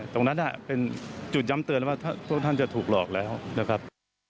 ตรงนั้นเป็นจุดย้ำเตือนว่าพวกท่านจะถูกหลอกแล้วนะครับ